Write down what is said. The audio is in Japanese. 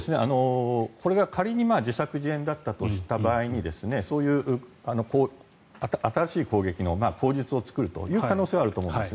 これが仮に自作自演だったとした場合にそういう新しい攻撃の口実を作るという可能性はあると思うんです。